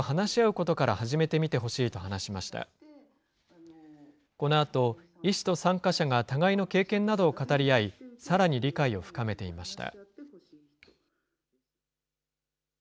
このあと、医師と参加者が互いの経験などを語り合い、さらに理解を深めていました。